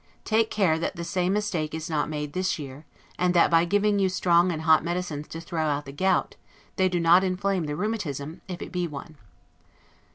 Take care that the same mistake is not made this year; and that by giving you strong and hot medicines to throw out the gout, they do not inflame the rheumatism, if it be one.